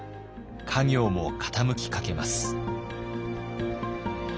家業も傾きかけます。